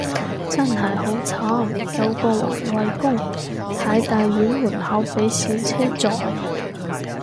真係好慘，有個環衛工，喺大院門口被小車撞